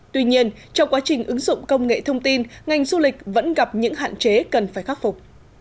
tuy nhiên trong quá trình ứng dụng công nghệ thông tin ngành du lịch vẫn gặp những hạn chế cần phải khắc phục